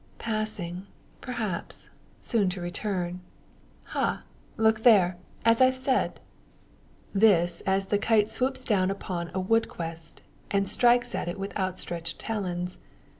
"Passing perhaps, soon to return. Ha! look there. As I've said!" This, as the kite swoops down upon a wood quest, and strikes at it with outstretched talons.